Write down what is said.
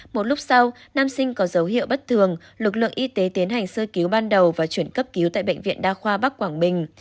một lúc sau nam sinh có dấu hiệu bất thường lực lượng y tế tiến hành sơ cứu ban đầu và chuyển cấp cứu tại bệnh viện đa khoa bắc quảng bình